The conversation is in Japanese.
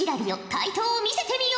回答を見せてみよ。